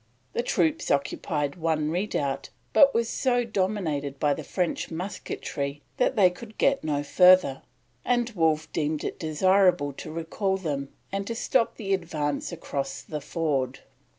The troops occupied one redoubt, but were so dominated by the French musketry that they could get no further, and Wolfe deemed it desirable to recall them and to stop the advance across the ford.